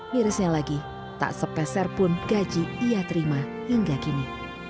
mirisnya lagi tak sepeser pun gaji ia terima hingga kini